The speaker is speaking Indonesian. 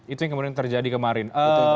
itu yang kemudian terjadi kemarin